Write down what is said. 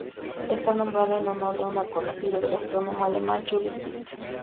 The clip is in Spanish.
Está nombrado en honor de una conocida del astrónomo alemán Julius Dick.